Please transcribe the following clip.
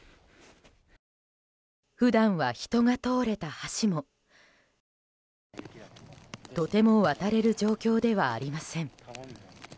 普段は人が通れた橋もとても渡れる状況ではありません。